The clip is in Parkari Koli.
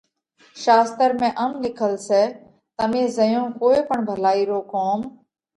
شاستر ۾ ام لکل سئہ: تمي زئيون ڪوئي پڻ ڀلائِي رو ڪوم،